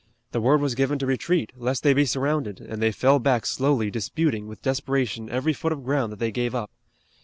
The word was given to retreat, lest they be surrounded, and they fell back slowly disputing with desperation every foot of ground that they gave up.